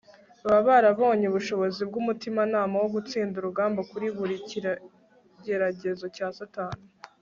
baba barabonye ubushobozi bw'umutimanama wo gutsinda urugamba kuri buri kigeragezo cya satani